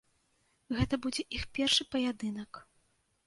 Гэта будзе іх першы паядынак.